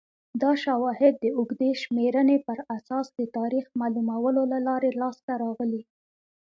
دا شواهد د اوږدې شمېرنې پر اساس د تاریخ معلومولو له لارې لاسته راغلي